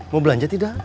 mau belanja tidak